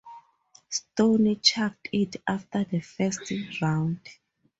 Stone chucked it after the first round.